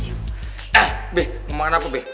ah be mau makan apa be